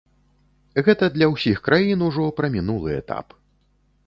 Гэта для ўсіх краін ужо прамінулы этап.